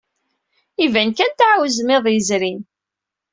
Iban kan tɛawzem iḍ yezrin.